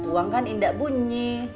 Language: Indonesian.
uang kan indah bunyi